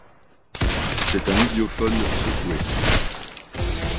C'est un idiophone secoué.